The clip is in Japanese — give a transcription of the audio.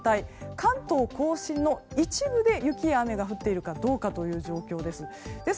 関東・甲信の一部で雪や雨が降っているかどうかという状況です。